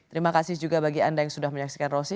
terima kasih juga bagi anda yang sudah menyaksikan rossi